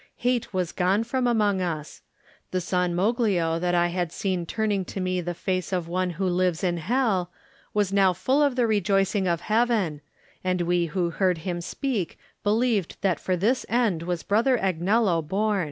Hate was gone from among us: the San Moglio that I had seen turning to me the face of one who lives in hell was now full of the rejoicing of heaven, and we who heard him speak believed that for this end was Brother Agnello bom.